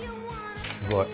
すごい。